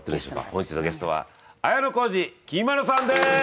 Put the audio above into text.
本日のゲストは綾小路きみまろさんです！